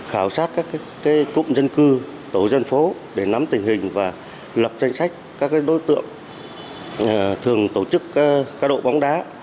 khảo sát các cụm dân cư tổ dân phố để nắm tình hình và lập danh sách các đối tượng thường tổ chức cá độ bóng đá